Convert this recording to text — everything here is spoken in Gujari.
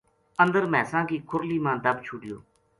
اندر مھیساں کی کُھرلی ما دب چھوڈیو